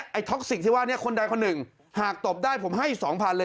ไอ้ท็อกสิคที่ว่าเนี้ยคนแดดอันหนึ่งหากตบได้ผมให้สองพันเลย